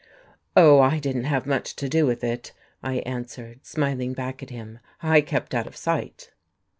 "Oh, I didn't have much to do with it," I answered, smiling back at him. "I kept out of sight."